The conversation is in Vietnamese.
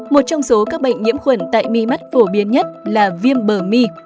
một trong số các bệnh nhiễm khuẩn tại mì mắt phổ biến nhất là viêm bờ mì